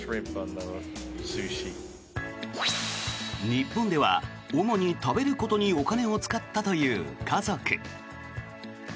日本では主に食べることにお金を使ったという家族。